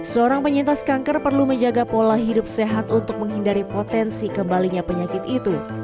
seorang penyintas kanker perlu menjaga pola hidup sehat untuk menghindari potensi kembalinya penyakit itu